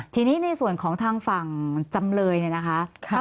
ทีนี้ในส่วนของทางฝั่งจำเลยเนี่ยนะคะ